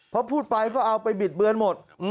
พอพูดไปก็เอาไปบิดเบือนหมด